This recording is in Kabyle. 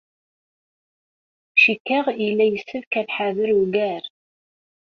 Cikkeɣ yella yessefk ad nḥader ugar.